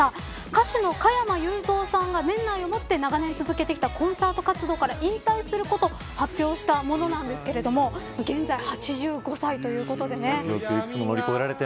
歌手の加山雄三さんが年内をもって、長年続けてきたコンサート活動から引退すること発表したものなんですが現在８５歳ということでね。